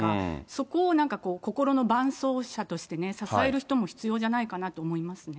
そこをなんかこう、心の伴走者として支える人も必要じゃないかな